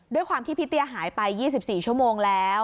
ด้วยความที่พี่เตี้ยหายไป๒๔ชั่วโมงแล้ว